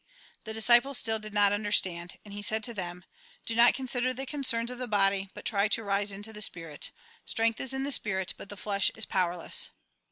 The disciples still did not understand. And he said to them :" Do not consider the concerns of the body, but try to rise into the spirit ; strength is in the spirit, but the flesh is powerless."